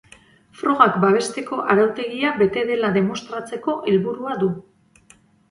Frogak babesteko arautegia bete dela demostratzeko helburua du.